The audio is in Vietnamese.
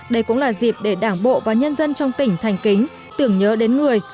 đây cũng là dịp để đảng bộ và nhân dân trong tỉnh thành kính tưởng nhớ đến người